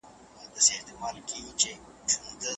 دولت اقتصاد نه دی پیاوړی کړی.